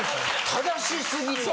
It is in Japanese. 正しすぎるわ。